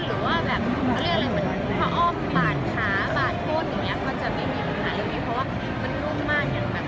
หรือว่าบ้านค้าต้นจะมีแผ่นขาดอย่างนี้